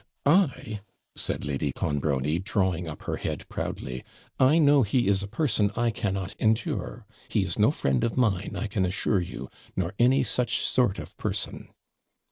'I!' Said Lady Clonbrony, drawing up her head proudly; 'I know he is a person I cannot endure. He is no friend of mine, I can assure you nor any such sort of person.'